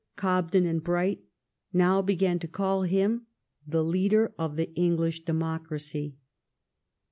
Cobden and Bright now began to call him the leader of the English democracy.